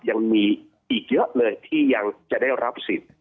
ยังมีอีกเยอะเลยที่ยังจะได้รับสิทธิ์